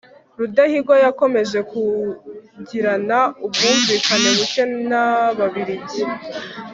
rudahigwa yakomeje kugirana ubwumvikane buke n'ababiligi